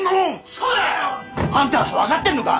そうだよ！あんた分かってんのか！？